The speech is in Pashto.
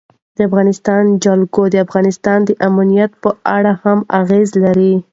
د افغانستان جلکو د افغانستان د امنیت په اړه هم اغېز لري.